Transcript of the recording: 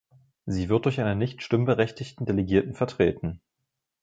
Sie wird durch einen nicht stimmberechtigten Delegierten vertreten.